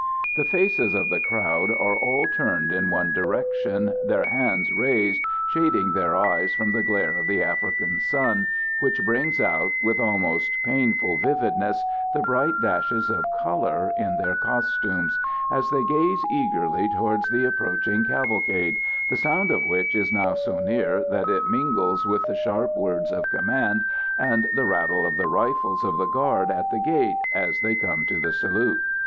The faces of the crowd are all turned in one direction, their hands raised, shading their eyes from the glare of the African sun, which brings out, with almost painful vividness, the bright dashes of colour in their costumes, as they gaze eagerly towards the approaching cavalcade, the sound of which is now so near that it mingles with the sharp words of command, and the rattle of the rifles of the guard at the gate as they come to the salute.